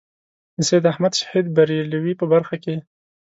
د سید احمد شهید برېلوي په برخه کې.